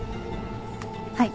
はい。